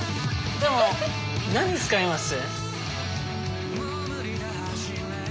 でも何に使います？